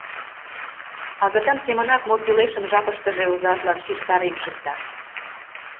Агытан семынак мо кӱлешым жапыштыже озажлан шижтарен шукта.